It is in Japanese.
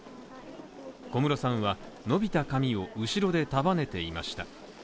小室さんは、伸びた髪を後ろで束ねていました。